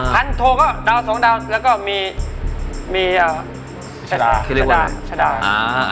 พันโทก็ดาว๒ดาวแล้วก็มีชาดา